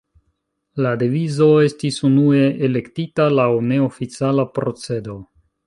La devizo estis unue elektita laŭ neoficiala procedo.